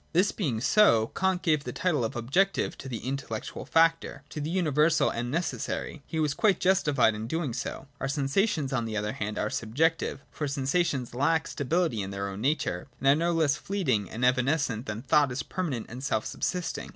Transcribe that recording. This being so, Kant gave the title 86 SECOND ATTITUDE TO OBJECTIVITY. [41,42 objective to the intellectual factor, to the universal and necessary : and he was quite justified in so doing. Our sensations on the other hand are subjective ; for sensations lack stability in their own nature, and are no less fleeting and evanescent than thought is permanent and self subsist ing.